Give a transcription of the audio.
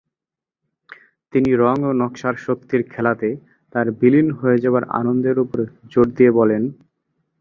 তিনি রঙ ও নকশার শক্তির খেলাতে তাঁর বিলীন হয়ে যাবার আনন্দের উপরে জোর দিয়ে বলেন।